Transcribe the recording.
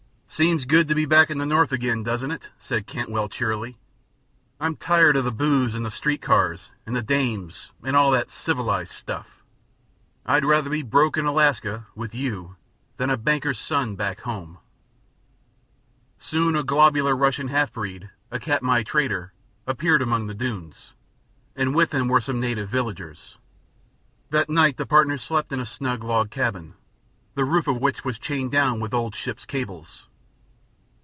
"Seems good to be back in the North again, doesn't it?" said Cantwell, cheerily. "I'm tired of the booze, and the street cars, and the dames, and all that civilized stuff. I'd rather be broke in Alaska with you than a banker's son, back home." Soon a globular Russian half breed, the Katmai trader, appeared among the dunes, and with him were some native villagers. That night the partners slept in a snug log cabin, the roof of which was chained down with old ships' cables.